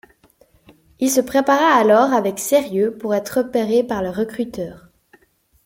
Il se prépara alors avec sérieux pour être repéré par le recruteur.